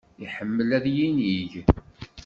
Iḥemmel ad yinig.